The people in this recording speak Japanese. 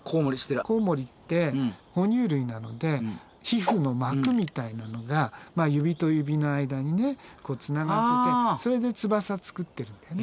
コウモリって哺乳類なので皮膚の膜みたいなのが指と指の間にねつながっててそれで翼作ってるんだよね。